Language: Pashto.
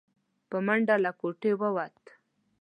په منډه له کوټې ووت.